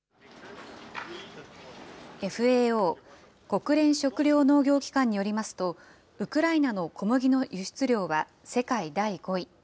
ＦＡＯ・国連食糧農業機関によりますと、ウクライナの小麦の輸出量は世界第５位。